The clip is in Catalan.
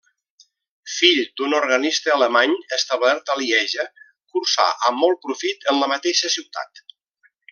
Fill d'un organista alemany establert a Lieja, cursà amb molt profit en la mateixa ciutat.